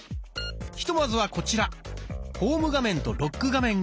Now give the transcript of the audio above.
ひとまずはこちら「ホーム画面とロック画面」を選んで下さい。